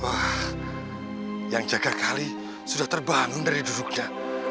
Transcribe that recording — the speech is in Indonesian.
wah yang jaga kali sudah terbangun dari duduknya